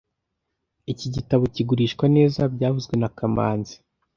Iki gitabo kigurishwa neza byavuzwe na kamanzi)